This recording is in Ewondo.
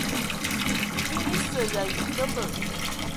Kiŋ esə y ayi nkəmbə.